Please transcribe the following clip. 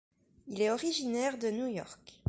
Il est originaire de New York.